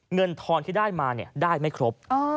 เงินทอนที่ได้มาเนี่ยได้ไม่ครบ